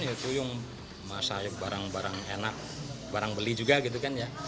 itu yang masa barang barang enak barang beli juga gitu kan ya